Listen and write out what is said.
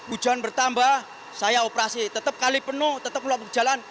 hujan bertambah saya operasi tetap kali penuh tetap luap jalan